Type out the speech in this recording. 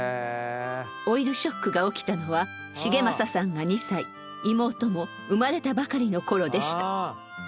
オイルショックが起きたのは繁正さんが２歳妹も生まれたばかりの頃でした。